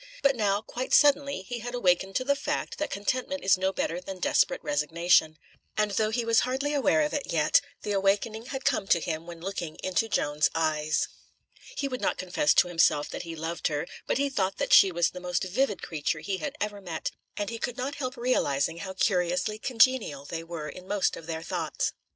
But now, quite suddenly, he had awakened to the fact that contentment is no better than desperate resignation; and though he was hardly aware of it yet, the awakening had come to him when looking into Joan's eyes. He would not confess to himself that he loved her, but he thought that she was the most vivid creature he had ever met, and he could not help realising how curiously congenial they were in most of their thoughts.